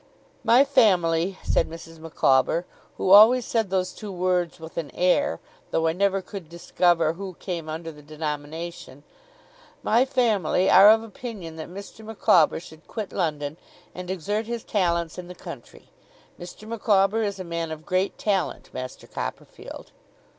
'My family,' said Mrs. Micawber, who always said those two words with an air, though I never could discover who came under the denomination, 'my family are of opinion that Mr. Micawber should quit London, and exert his talents in the country. Mr. Micawber is a man of great talent, Master Copperfield.